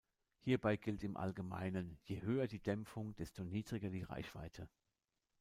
Hierbei gilt im Allgemeinen: Je höher die Dämpfung, desto niedriger die Reichweite.